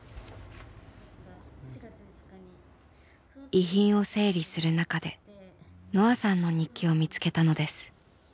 遺品を整理する中でのあさんの日記を見つけたのです。